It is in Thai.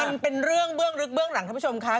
มันเป็นเรื่องเบื้องลึกเบื้องหลังท่านผู้ชมครับ